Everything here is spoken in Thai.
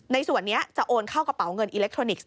ในส่วนนี้จะโอนเข้ากระเป๋าเงินอิเล็กทรอนิกส์